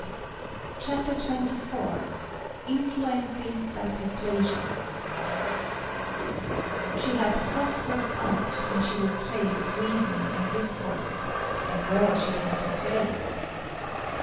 ] CHAPTER XXIV INFLUENCING BY PERSUASION She hath prosperous art When she will play with reason and discourse, And well she can persuade.